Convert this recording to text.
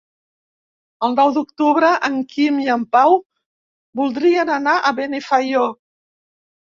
El nou d'octubre en Quim i en Pau voldrien anar a Benifaió.